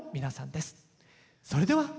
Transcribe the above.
それでは。